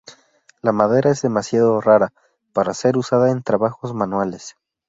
La madera es demasiado rara para ser usada en trabajos manuales.